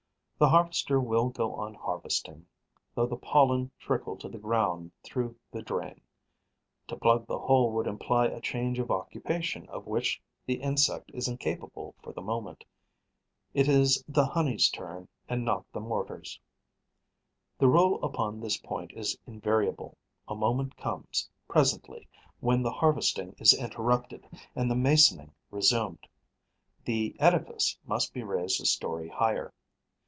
The harvester will go on harvesting, though the pollen trickle to the ground through the drain. To plug the hole would imply a change of occupation of which the insect is incapable for the moment. It is the honey's turn and not the mortar's. The rule upon this point is invariable. A moment comes, presently, when the harvesting is interrupted and the masoning resumed. The edifice must be raised a storey higher.